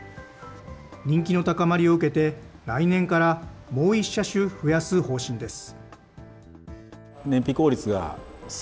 人気の高まりを受けて、来年からもう１車種増やす方針です。